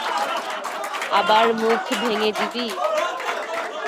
আবার মুখ ভেঙে দিবি?